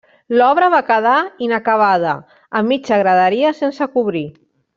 L'obra va quedar inacabada, amb mitja graderia sense cobrir.